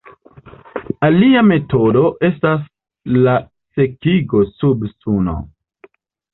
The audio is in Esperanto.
Alia metodo estas la sekigo sub Suno.